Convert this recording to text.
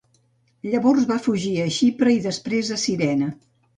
Llavors va fugir a Xipre i després a Cirene.